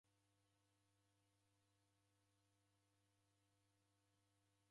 Marehemu orekundee w'andu.